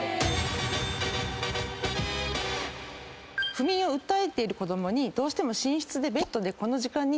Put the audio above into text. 不眠を訴えている子供にどうしても寝室でベッドでこの時間にっていうことを。